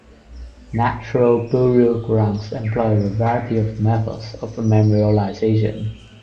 Natural burial grounds employ a variety of methods of memorialization.